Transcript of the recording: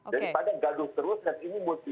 daripada gagal terus dan ini mau di interpretasi